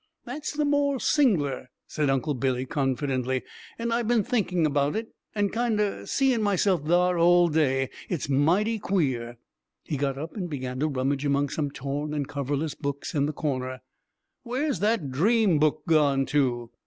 "That's the more sing'lar," said Uncle Billy confidently. "And I've been thinking about it, and kinder seeing myself thar all day. It's mighty queer!" He got up and began to rummage among some torn and coverless books in the corner. "Where's that 'Dream Book' gone to?"